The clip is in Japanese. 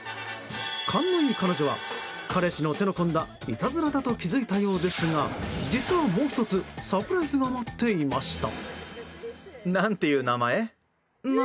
勘のいい彼女は彼氏の手の込んだいたずらだと気付いたようですが実は、もう１つサプライズが待っていました。